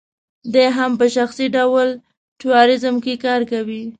دی هم په شخصي ډول ټوریزم کې کار کوي.